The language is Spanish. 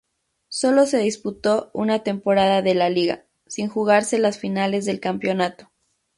Sólo se disputó una temporada de la liga, sin jugarse las finales del campeonato.